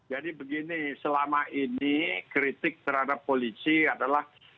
jadi begini selama ini kritik terhadap polisi adalah